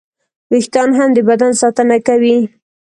وېښتيان هم د بدن ساتنه کوي.